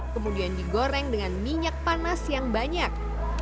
kemudian digoreng dengan minyak panas yang banyak